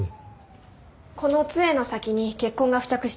この杖の先に血痕が付着していました。